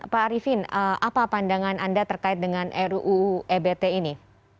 pak arifin apa pandangan anda terkait dengan ruu ebt ini